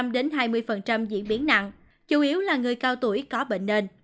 trong đó có một mươi năm hai mươi diễn biến nặng chủ yếu là người cao tuổi có bệnh nền